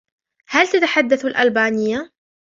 هل تتحدث الألبانية ؟